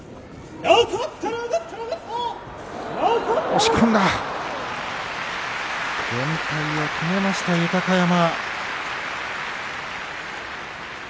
押し込んだ連敗を止めました、豊山。